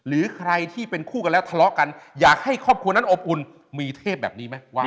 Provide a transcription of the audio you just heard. หรือใครที่เป็นคู่กันแล้วทะเลาะกันอยากให้ครอบครัวนั้นอบอุ่นมีเทพแบบนี้ไหมว่า